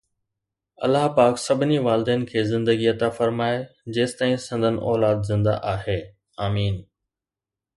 الله پاڪ سڀني والدين کي زندگي عطا فرمائي جيستائين سندن اولاد زندهه آهي، آمين